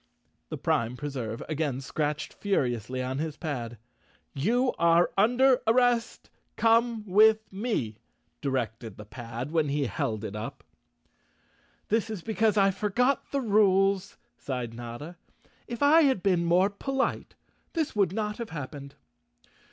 The Prime Preserve again scratched furiously on his pad, "You are under arrest. Come with me," 209 The Cowardly Lion of Oz directed the pad, when he held it up. "This is because I forgot the rules," sighed Notta. "If I had been more polite this would not have hap¬ pened.